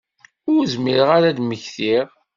Ur zmireɣ ara ad mmektiɣ.